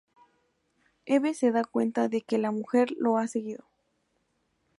Eve se da cuenta de que la Mujer los ha seguido.